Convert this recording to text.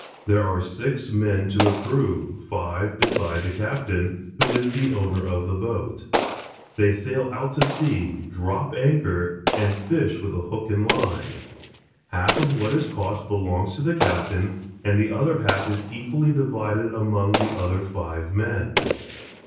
There are six men to a crew, five beside the captain, who is the owner of the boat. They sail out to sea, drop anchor, and fish with hook and line. Half of what is caught belongs to the captain, and the other half is equally divided among the other five men.